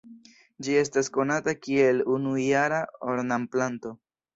Ĝi estas konata kiel unujara ornamplanto.